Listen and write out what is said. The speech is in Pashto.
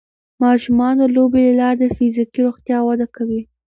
ماشومان د لوبو له لارې د فزیکي روغتیا وده کوي.